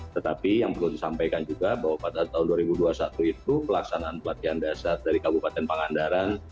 tetapi yang perlu disampaikan juga bahwa pada tahun dua ribu dua puluh satu itu pelaksanaan pelatihan dasar dari kabupaten pangandaran